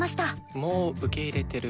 もう受け入れてる。